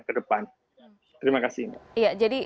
ke depan terima kasih